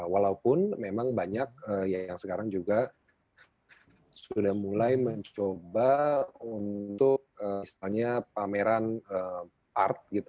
walaupun memang banyak yang sekarang juga sudah mulai mencoba untuk misalnya pameran art gitu